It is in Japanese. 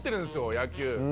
野球。